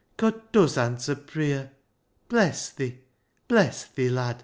God does answer pruyer ! Bless thi ! Bless thi, lad